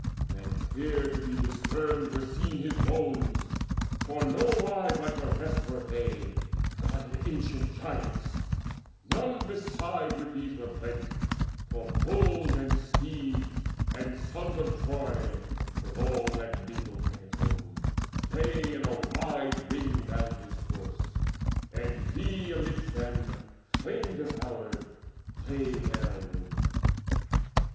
Then clear to be discerned were seen His bones; for nowise like the rest were they, But like an ancient Giant's; none beside With these were blent; for bulls and steeds, and sons Of Troy, with all that mingled hecatomb, Lay in a wide ring round his corse, and he Amidst them, flame devoured, lay there alone.